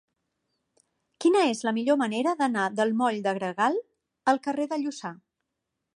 Quina és la millor manera d'anar del moll de Gregal al carrer de Lluçà?